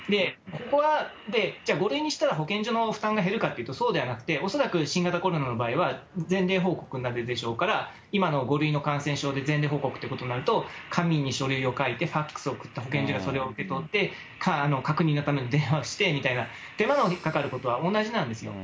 ここが、じゃあ、５類にしたら保健所の負担が減るかというと、そうではなくて、恐らく新型コロナの場合は前例報告まででしょうから、今の５類の感染症で前例報告ということになると、紙で書類を書いてファックスで送って、保健所がそれを受け取って、確認のために電話してみたいな手間のかかることは同じなんです。